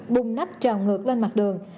bung nắp trào ngược lên mặt đường